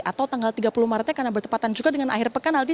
atau tanggal tiga puluh maretnya karena bertepatan juga dengan akhir pekan aldi